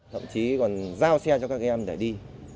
thậm chí còn giao xe cho các em để đi